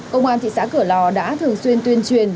công an thị xã cửa lò đã thường xuyên tuyên truyền